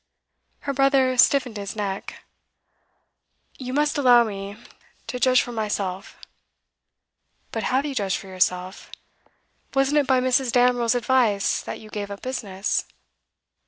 Her brother stiffened his neck. 'You must allow me to judge for myself.' 'But have you judged for yourself? Wasn't it by Mrs. Damerel's advice that you gave up business?